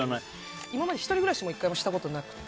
今まで１人暮らしも１回もしたことなくて。